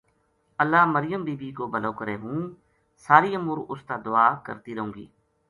اللہ مریم بی بی کو بھَلو کرے ہوں ساری عمر اُس تا دُعا کرتی رہوں گی